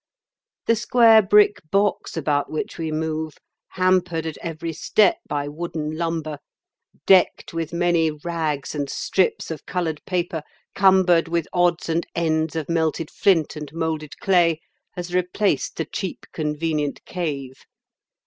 The square brick box about which we move, hampered at every step by wooden lumber, decked with many rags and strips of coloured paper, cumbered with odds and ends of melted flint and moulded clay, has replaced the cheap, convenient cave.